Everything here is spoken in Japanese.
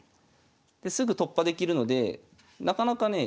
ですぐ突破できるのでなかなかね